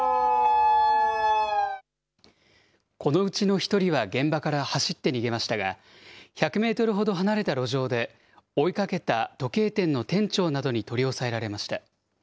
このうちの１人は現場から走って逃げましたが、１００メートルほど離れた路上で、追いかけた時計店の店長などに取り押さえられました。